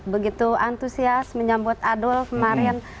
begitu antusias menyambut adul kemarin